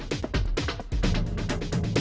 dan menahan pemberantaranya